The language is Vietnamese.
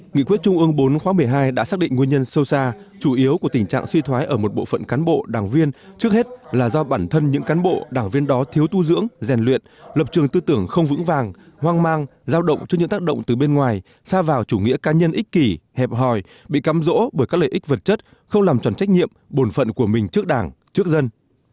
nghị quyết trung ương bốn khóa một mươi hai đã xác định nguyên nhân sâu xa chủ yếu của tình trạng suy thoái ở một bộ phận cán bộ đảng viên trước hết là do bản thân những cán bộ đảng viên đó thiếu tu dưỡng rèn luyện lập trường tư tưởng không vững vàng hoang mang giao động cho những tác động từ bên ngoài xa vào chủ nghĩa ca nhân ích kỷ hẹp hòi bị cắm rỗ bởi các lợi ích vật chất không làm tròn trách nhiệm bồn phận của mình trước đảng trước dân